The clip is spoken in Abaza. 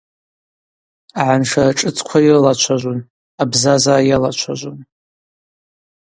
Агӏаншара шӏыцква йрылачважвун, абзазара йалачважвун.